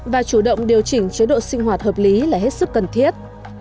và chủ động điều chỉnh chế độ sinh hoạt hợp lý là hết sức cần thiết